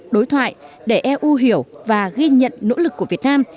đối thoại để eu hiểu và ghi nhận nỗ lực của việt nam